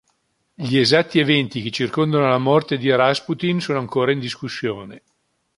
Gli esatti eventi che circondano la morte di Rasputin sono ancora in discussione.